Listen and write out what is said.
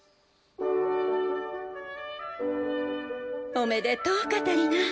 おめでとうカタリナ。